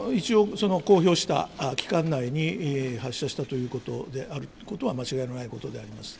一応、公表した期間内に発射したということであることは間違いのないことであります。